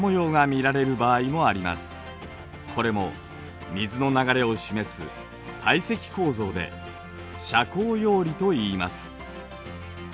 これも水の流れを示す堆積構造で斜交葉理といいます。